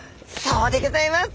そうでギョざいます。